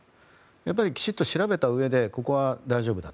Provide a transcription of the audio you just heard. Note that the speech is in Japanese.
やっぱりきちんと調べたうえでここは大丈夫だ